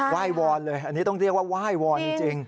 ว่ายวอนเลยอันนี้ต้องเรียกว่าว่ายวอนจริง